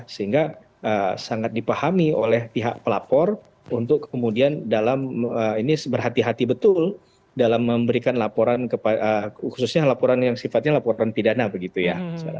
sehingga sangat dipahami oleh pihak pelapor untuk kemudian dalam ini berhati hati betul dalam memberikan laporan khususnya laporan yang sifatnya laporan pidana begitu ya